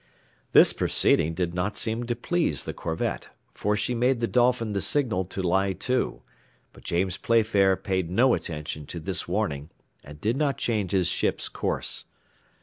This proceeding did not seem to please the corvette, for she made the Dolphin the signal to lie to, but James Playfair paid no attention to this warning, and did not change his ship's course.